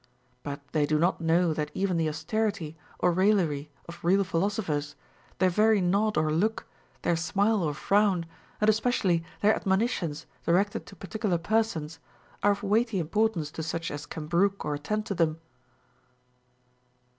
But they do not know that even the aus terity or raillery of real philosophers, their very nod or look, their smile or frown, and especially their admonitions directed to particular persons, are of weighty importance to such as can brook or attend to them.